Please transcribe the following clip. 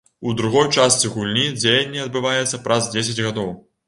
У другой частцы гульні дзеянне адбываецца праз дзесяць гадоў.